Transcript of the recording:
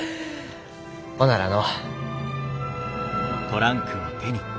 ほんならの。